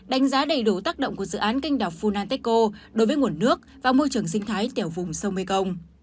đánh giá đầy đủ tác động của dự án canh đảo funanteco đối với nguồn nước và môi trường sinh thái tiểu vùng sông mekong